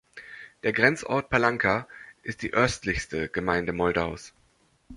Der Grenzort Palanca ist die östlichste Gemeinde Moldaus.